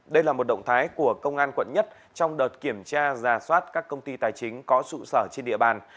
đây là một động thái của công an quận một trong đợt kiểm tra giả soát các công ty tài chính có trụ sở trên địa bàn